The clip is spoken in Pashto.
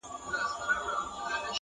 کليوال کله کله د پېښې په اړه چوپ سي,